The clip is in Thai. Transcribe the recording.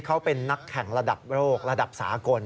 เขาเป็นนักแข่งระดับโลกระดับสากล